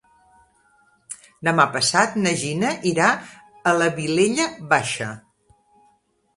Demà passat na Gina irà a la Vilella Baixa.